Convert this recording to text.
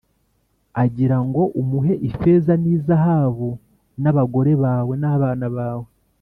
agira ngo umuhe ifeza n’izahabu n’abagore bawe n’abana bawe,